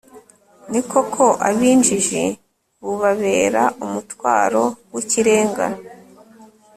ni koko, ab'injiji bubabera umutwaro w'ikirenga